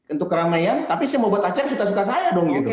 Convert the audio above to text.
untuk keramaian tapi saya mau buat aceh suka suka saya dong